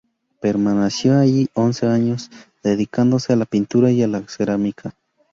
Permaneció allí once años, dedicándose a la pintura y a la cerámica.